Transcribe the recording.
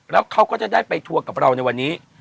แล้วเขาก็จะได้ไปทัวร์กับเราในวันนี้